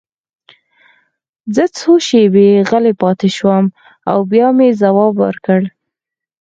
زه څو شېبې غلی پاتې شوم او بیا مې ځواب ورکړ